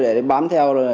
để bám theo